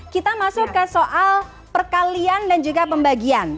kita masuk ke soal perkalian dan juga pembagian